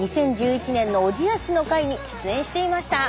２０１１年の小千谷市の回に出演していました。